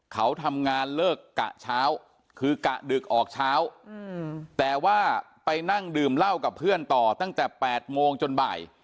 เขาทำงานเลิกกะเช้าคือกะดึกออกเช้าแต่ว่าไปนั่งดื่มเหล้ากับเพื่อนต่อตั้งแต่๘โมงจนบ่าย